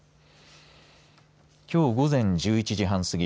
きょう午前１１時半過ぎ